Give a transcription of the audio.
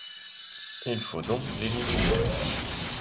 Il faut donc l’éliminer.